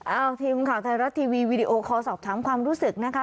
เอาทีมข่าวไทยรัฐทีวีวีดีโอคอลสอบถามความรู้สึกนะคะ